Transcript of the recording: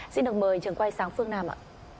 xin được mời trường quay sáng phương nam ạ